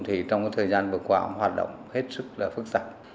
thì trong thời gian vừa qua hoạt động hết sức là phức tạp